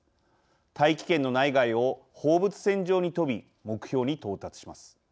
大気圏の内外を放物線状に飛び目標に到達します。